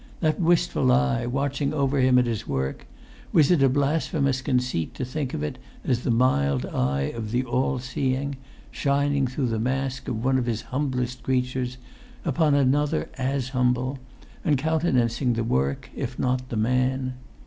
That wistful eye, watching over him at his work, was it a blasphemous conceit to think of it as the mild eye of the All seeing, shining through the mask of one of His humblest creatures, upon another as humble, and countenancing the work if not the man?